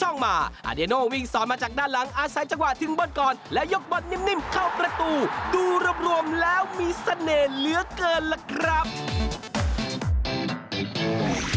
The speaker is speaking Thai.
นัดสุดท้ายของเล็กแรกค่ะ